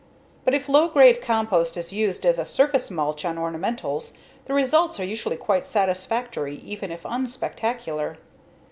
But if low grade compost is used as a surface mulch on ornamentals, the results are usually quite satisfactory even if unspectacular.